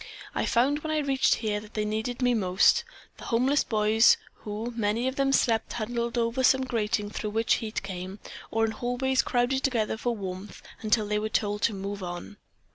I found when I reached here that they needed me most, the homeless boys who, many of them, slept huddled over some grating through which heat came, or in hallways crowded together for warmth, until they were told to move on.